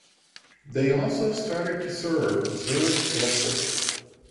They also started to serve Zurich Airport.